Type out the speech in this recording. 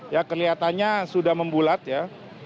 ya kelihatannya sudah membulat ya